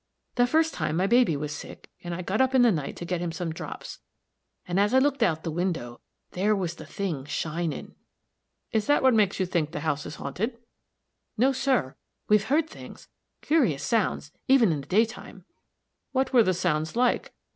The first time, my baby was sick, and I got up in the night to get him some drops, and as I looked out the window, there was the thing shinin'." "Is that all that makes you think the house haunted?" "No, sir; we've heard things curious sounds even in the daytime." "What were the sounds like?"